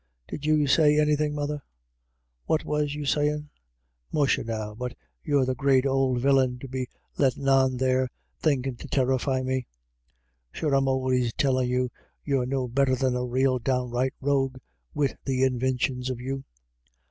— Did you say anythin', mother ? What was you sayin' ? Musha now, but you're the great ould villin to be lettin' on there, thinkin' to tirrify me. Sure I'm always tellin' you you're no better than a rael downright rogue, wid the invin tions of you.